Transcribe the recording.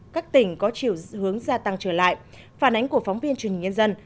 các tỉnh có chiều hướng gia tăng trở lại phản ánh của phóng viên truyền hình nhân dân